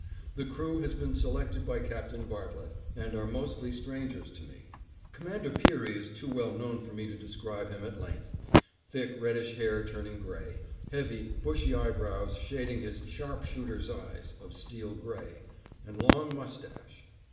The crew has been selected by Captain Bartlett, and are mostly strangers to me. Commander Peary is too well known for me to describe him at length; thick reddish hair turning gray; heavy, bushy eyebrows shading his "sharpshooter's eyes" of steel gray, and long mustache.